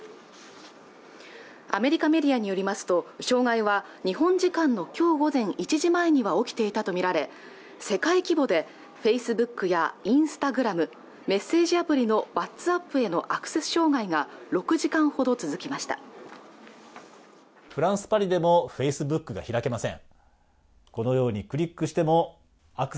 アメリカメディアによりますと障害は日本時間のきょう午前１時前には起きていたと見られ世界規模でフェイスブックやインスタグラムメッセージアプリのワッツアップへのアクセス障害が６時間ほど続きましたフランスパリでもフェイスブックが開けません